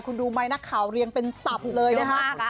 คุณดูไหมนักข่าวเรียงเป็นตับเลยนะคะ